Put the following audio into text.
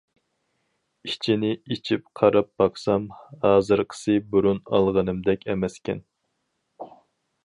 ئىچىنى ئېچىپ قاراپ باقسام، ھازىرقىسى بۇرۇن ئالغىنىمدەك ئەمەسكەن.